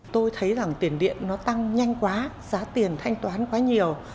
tôi thấy rằng tiền điện nó tăng nhanh quá giá tiền thanh toán quá nhiều